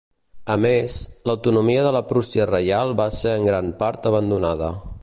A més, l'autonomia de la Prússia Reial va ser en gran part abandonada.